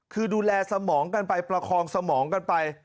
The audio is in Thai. คือดูแลสมองกันไปประคองสมองกันไป